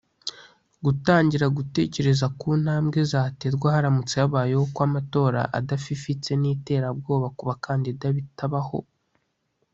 Gutangira gutekereza ku ntambwe zaterwa haramutse habayeho ko amatora adafifitse n’iterabwoba ku bakandida bitabaho